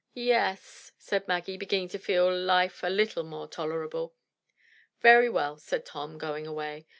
"Ye e es," said Maggie, beginning to feel life a little more tolerable. "Very well," said Tom, going away.